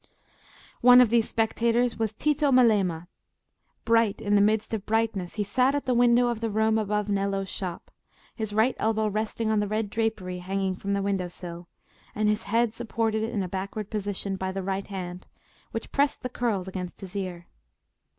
One of these spectators was Tito Melema. Bright, in the midst of brightness, he sat at the window of the room above Nello's shop, his right elbow resting on the red drapery hanging from the window sill, and his head supported in a backward position by the right hand, which pressed the curls against his ear.